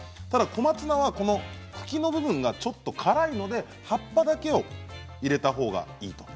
ただ小松菜は茎の部分がちょっと辛いので葉っぱだけを入れたほうがいい。